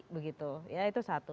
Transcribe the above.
begitu ya itu satu